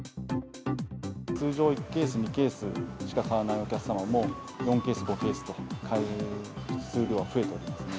通常１ケース、２ケースしか買わないお客様も、４ケース、５ケースと買う数量が増えておりますね。